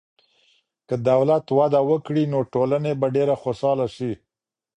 که دولت وده وکړي، نو ټولني به ډېره خوشحاله سي.